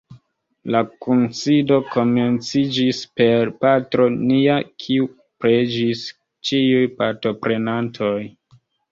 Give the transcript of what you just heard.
La kunsido komenciĝis per Patro Nia kiu preĝis ĉiuj partoprenantoj.